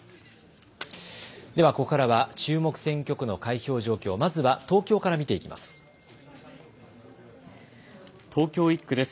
ここからは注目選挙区の開票状況、まずは東京から見ていきます。